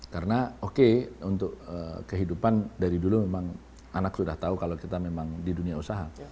karena oke untuk kehidupan dari dulu memang anak sudah tahu kalau kita memang di dunia usaha